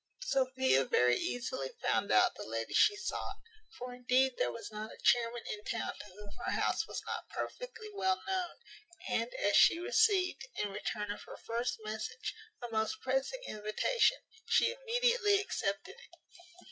Sophia very easily found out the lady she sought; for indeed there was not a chairman in town to whom her house was not perfectly well known; and, as she received, in return of her first message, a most pressing invitation, she immediately accepted it.